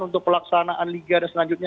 untuk pelaksanaan liga dan selanjutnya